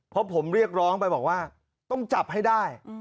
เพราะผมเรียกร้องไปบอกว่าต้องจับให้ได้